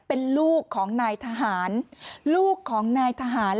เป็นลูกของนายทหารลูกของนายทหาร